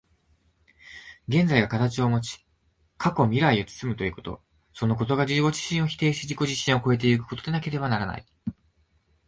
現在が形をもち、過去未来を包むということ、そのことが自己自身を否定し、自己自身を越え行くことでなければならない。